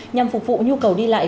nhằm phục vụ nhu cầu đi lại